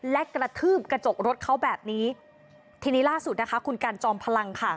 และกระทืบกระจกรถเขาแบบนี้ทีนี้ล่าสุดนะคะคุณกันจอมพลังค่ะ